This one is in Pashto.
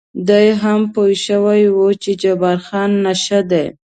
دی هم پوه شوی و چې جبار خان نشه دی.